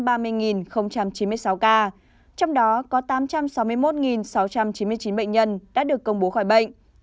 trong đó có tám trăm sáu mươi một sáu trăm chín mươi chín bệnh nhân đã được công bố khỏi bệnh